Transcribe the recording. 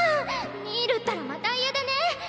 ミールったらまた家出ね。